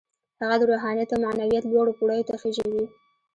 هغه د روحانيت او معنويت لوړو پوړيو ته خېژوي.